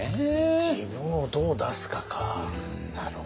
「自分をどう出すか」かなるほどね。